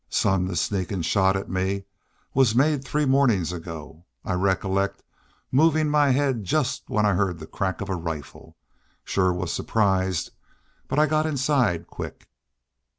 "Son, this sneakin' shot at me was made three mawnin's ago. I recollect movin' my haid just when I heard the crack of a rifle. Shore was surprised. But I got inside quick."